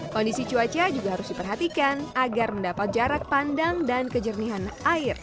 kondisi cuaca juga harus diperhatikan agar mendapat jarak pandang dan kejernihan air